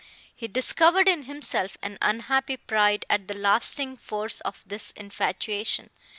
He discovered in himself an unhappy pride at the lasting force of this infatuation.